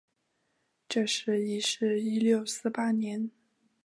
这时已是一六四八年。